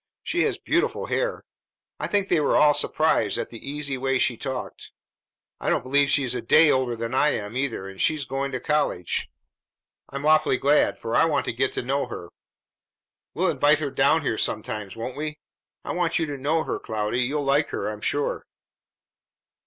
She has beautiful hair! I think they were all surprised at the easy way she talked; I don't believe she is a day older than I am, either. And she is going to college. I'm awfully glad, for I want to get to know her. We'll invite her down here sometimes, won't we? I want you to know her, Cloudy. You'll like her, I'm sure."